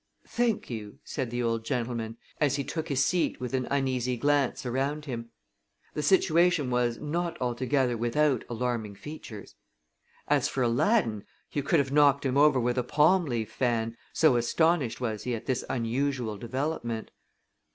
"Thank you," said the old gentleman, as he took his seat with an uneasy glance around him. The situation was not altogether without alarming features. As for Aladdin, you could have knocked him over with a palm leaf fan, so astonished was he at this unusual development.